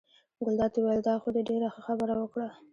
ګلداد وویل: دا خو دې ډېره ښه خبره وکړه.